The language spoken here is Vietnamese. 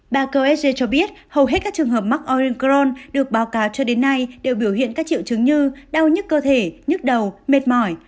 bà kersg cho biết hầu hết các trường hợp mắc orin cron được báo cáo cho đến nay đều biểu hiện các triệu chứng như đau nhức cơ thể nhức đầu mệt mỏi